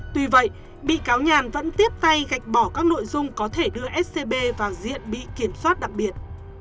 tuy vậy bị cáo nhàn vẫn tiếp tay gạch bỏ các nội dung có thể đưa scb vào diện bị kiểm soát đặc biệt